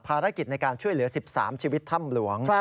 ภารกิจในการช่วยเหลือ๑๓ชีวิตถ้ำหลวง